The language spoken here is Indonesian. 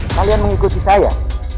kalian mengikuti saya